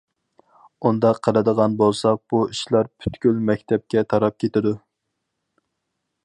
ئۇنداق قىلىدىغان بولساق، بۇ ئىشلار پۈتكۈل مەكتەپكە تاراپ كېتىدۇ.